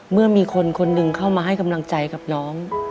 เมื่อมีคนคนหนึ่งเข้ามาให้กำลังใจกับน้อง